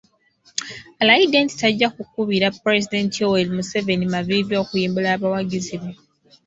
Alayidde nti tajja ku kubira Pulezidenti Yoweri Museveni maviivi okuyimbula abawagizi be.